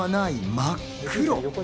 真っ黒。